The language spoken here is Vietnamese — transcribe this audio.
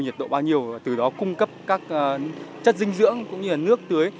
nhiệt độ bao nhiêu từ đó cung cấp các chất dinh dưỡng cũng như nước tưới